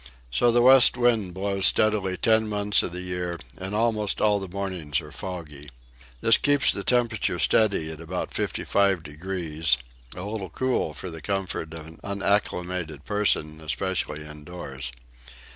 So the west wind blows steadily ten months of the year and almost all the mornings are foggy. This keeps the temperature steady at about 55 degrees a little cool for comfort of an unacclimated person, especially indoors.